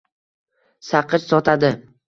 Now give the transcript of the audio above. Saqich sotadi.